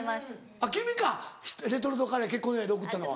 あっ君かレトルトカレー結婚祝いで贈ったのは。